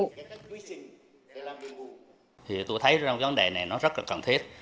thì tôi thấy rằng cái vấn đề này nó rất là cần thiết